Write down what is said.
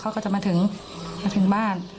เขาก็จะมาถึงมาถึงบ้าน